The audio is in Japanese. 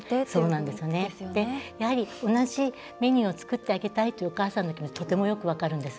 やはり、同じメニューを作ってあげたいというお母さんの気持ちとてもよく分かるんです。